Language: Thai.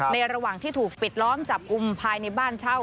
ระหว่างที่ถูกปิดล้อมจับกุมภายในบ้านเช่า